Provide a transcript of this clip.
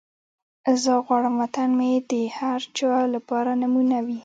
زه غواړم وطن مې د هر چا لپاره نمونه وي.